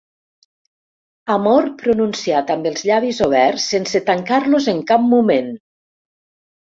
Amor pronunciat amb els llavis oberts, sense tancar-los en cap moment.